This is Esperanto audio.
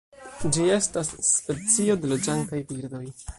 Ĝi estas specio de loĝantaj birdoj.